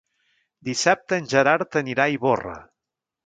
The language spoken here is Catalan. Dissabte en Gerard anirà a Ivorra.